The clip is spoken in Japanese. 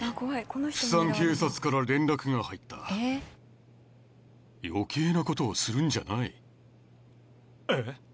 釜山警察から連絡が入った余計なことをするんじゃないえっ？